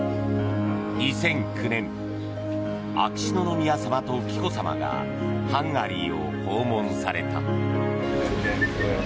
２００９年秋篠宮さまと紀子さまがハンガリーを訪問された。